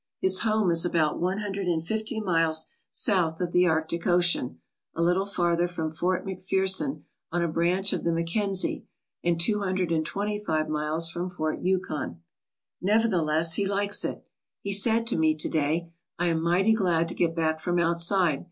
His home is about one hundred and fifty miles south of the Arctic Ocean, a little farther from Ft. McPherson on a branch of the Mackenzie, and two hundred and twenty five miles from Fort Yukon. 122 IN THE YUKON FLATS Nevertheless, he likes it. He said to me to day: "I am mighty glad to get back from outside.